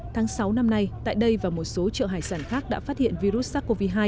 tháng sáu năm nay tại đây và một số chợ hải sản khác đã phát hiện virus sars cov hai